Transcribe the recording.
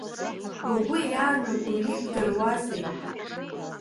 Лгәы иаанаго ибдыруазеи?